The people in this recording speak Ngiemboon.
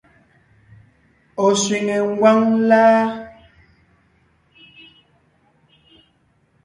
Ɔ̀ sẅiŋe ngwáŋ láa?